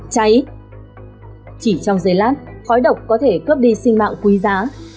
cháy chỉ trong giây lát khói độc có thể cướp đi sinh mạng quý giá